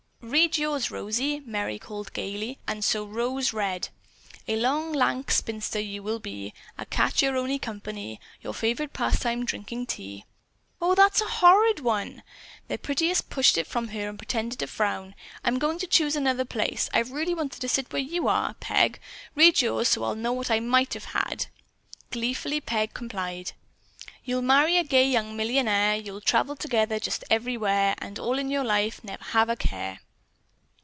"Read yours, Rosie," Merry called gaily, and so Rose read: "A long, lank spinster you will be; A cat your only company; Your favorite pastime drinking tea." "Oh, that's a horrid one," Their prettiest pushed it from her and pretended to frown. "I'm going to choose another place. I really wanted to sit where you are, Peg. Read yours, so I'll know what I might have had." Gleefully Peg complied: "You'll marry a gay young millionaire, You'll travel together just everywhere, And in all your life have never a care."